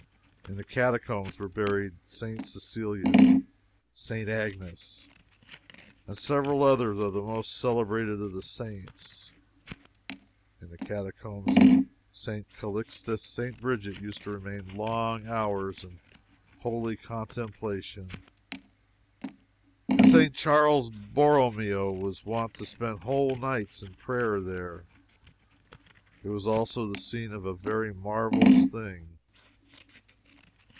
In the catacombs were buried St. Cecilia, St. Agnes, and several other of the most celebrated of the saints. In the catacomb of St. Callixtus, St. Bridget used to remain long hours in holy contemplation, and St. Charles Borromeo was wont to spend whole nights in prayer there. It was also the scene of a very marvelous thing.